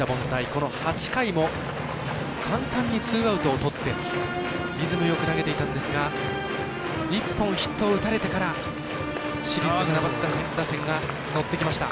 この８回も簡単にツーアウトをとってリズムよく投げていたんですが１本ヒットを打たれてから市立船橋打線が乗ってきました。